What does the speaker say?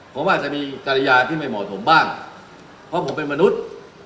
ผมอาจจะมีกรยาที่ไม่เหมาะสมบ้างเพราะผมเป็นมนุษย์